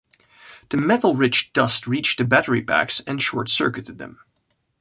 The metal-rich dust reached the battery packs and short-circuited them.